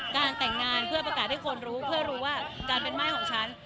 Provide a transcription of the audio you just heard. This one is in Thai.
การแต่งงานเพื่อประกาศให้คนรู้เพื่อรู้ว่าการเป็นม่ายของฉัน